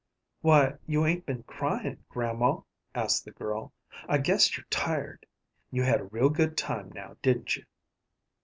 "Why, you ain't been cryin', grandma?" asked the girl. "I guess you're tired. You had a real good time, now, didn't you?"